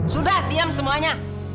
sudah diam semuanya